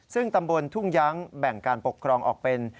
ซึ่งตำบลทุ่งยั้งแบ่งการปกครองออกเป็น